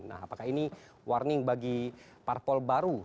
nah apakah ini warning bagi parpol baru